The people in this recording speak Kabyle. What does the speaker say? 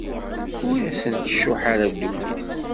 Ur asent-tcuḥḥ ara ddunit.